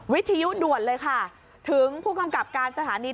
วิทยุด่วนเลยค่ะถึงผู้กำกับการสถานี